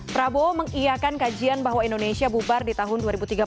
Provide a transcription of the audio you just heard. prabowo mengiakan kajian bahwa indonesia bubar di tahun dua ribu tiga puluh